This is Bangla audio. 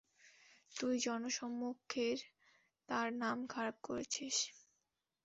তুই জনসম্মুখের তার নাম খারাপ করেছিস।